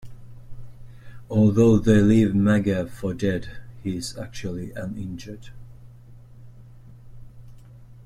Although they leave Magua for dead, he is actually uninjured.